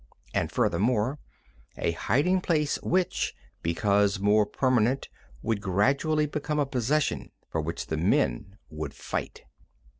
And, furthermore, a hiding place which, because more permanent, would gradually become a possession for which the men would fight.